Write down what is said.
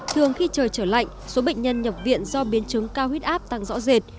thường khi trời trở lạnh số bệnh nhân nhập viện do biến chứng cao huyết áp tăng rõ rệt